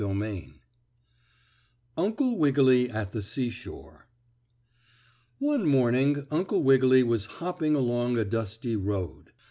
STORY VI UNCLE WIGGILY AT THE SEASHORE One morning Uncle Wiggily was hopping along a dusty road.